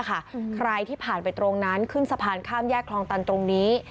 ใครที่ผ่านไปตรงนั้นขึ้นสะพานข้ามแยกคลองตันตรงนี้